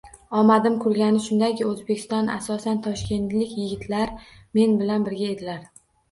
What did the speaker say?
Omadim kulgani shundaki, Oʻzbekiston, asosan toshkentlik yigitlar men bilan birga edilar.